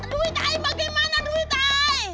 duit aja bagaimana duit aja